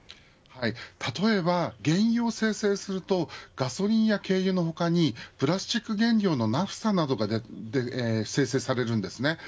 例えば原油を精製するとガソリンや軽油の他にプラスチック原料のナフサなどが生成されるんですね。